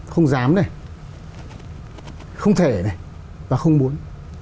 không dám này không thể này và không muốn